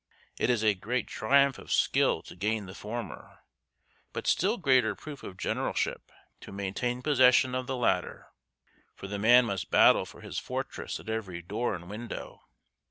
It is a great triumph of skill to gain the former, but still greater proof of generalship to maintain possession of the latter, for the man must battle for his fortress at every door and window.